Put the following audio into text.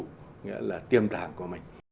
nghĩa là tiềm tàng của mình